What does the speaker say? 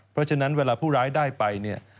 เพราะฉะนั้นเวลาผู้ร้ายได้ไปเนี่ย